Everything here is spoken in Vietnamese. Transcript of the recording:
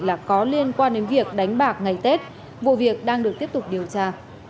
là có liên quan đến việc đánh bạc ngày tết vụ việc đang được tiếp tục điều tra